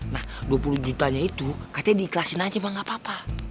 nah dua puluh jutanya itu katanya diikhlasin aja pak gak apa apa